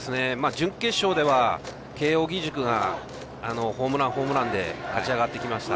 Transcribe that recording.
準決勝では慶応義塾がホームラン、ホームランで勝ち上がってきました。